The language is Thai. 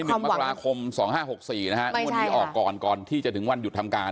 มักลาคม๒๕๖๔น้วนี้ออกก่อนก่อนที่จะถึงวันหยุดทำการ